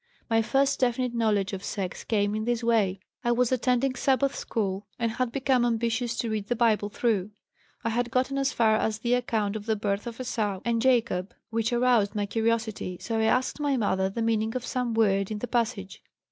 "My first definite knowledge of sex came in this way: I was attending Sabbath school and had become ambitious to read the Bible through. I had gotten as far as the account of the birth of Esau and Jacob, which aroused my curiosity. So I asked my mother the meaning of some word in the passage.